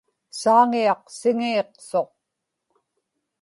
Saaŋiaq siŋiiqsuq